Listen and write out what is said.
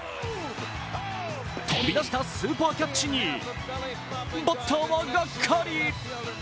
飛び出したスーパーキャッチにバッターはガッカリ。